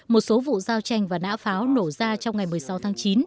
một số vụ giao tranh và nã pháo nổ ra trong ngày một mươi sáu tháng chín